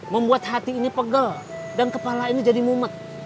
membuat hati ini pegel dan kepala ini jadi mumet